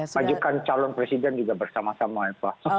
majukan calon presiden juga bersama sama eva